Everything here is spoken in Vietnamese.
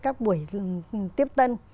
các buổi tiếp tân